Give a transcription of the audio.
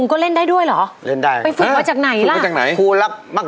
ควรจะเป็นอะไร